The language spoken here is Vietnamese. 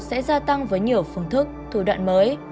sẽ gia tăng với nhiều phương thức thủ đoạn mới